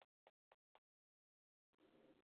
Quería que fuese muy sincera.